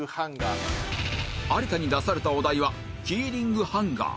有田に出されたお題はキーリングハンガー